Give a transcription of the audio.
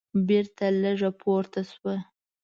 بېرته لږه پورته شوه.